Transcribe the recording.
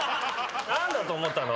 何だと思ったの？